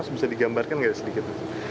bisa digambarkan nggak sedikit